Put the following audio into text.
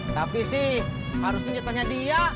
tapi sih harusnya tanya dia